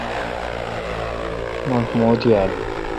مٹھ موُت یال۔